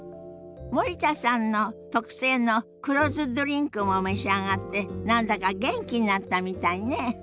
森田さんの特製の黒酢ドリンクも召し上がって何だか元気になったみたいね。